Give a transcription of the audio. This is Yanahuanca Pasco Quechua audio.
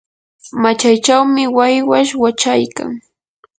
machaychawmi waywash wachaykan.